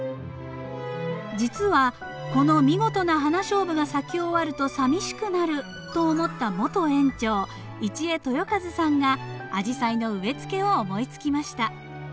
実はこの見事なハナショウブが咲き終わるとさみしくなると思った元園長一江豊一さんがアジサイの植えつけを思いつきました。